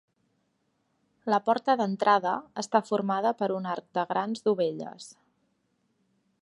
La porta d'entrada està formada per un arc de grans dovelles.